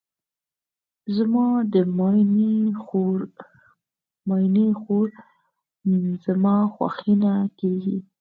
زما د ماینې خور زما خوښینه کیږي.